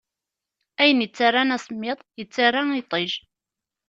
Ayen ittaran asemmiḍ, ittara iṭij.